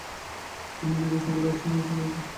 তিনি লিবিয়া সফরে আসতেন এবং এসময় প্রাসাদে অবস্থান করতেন।